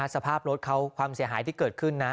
สภาพรถเขาความเสียหายที่เกิดขึ้นนะ